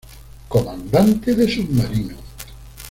Comandante de submarino.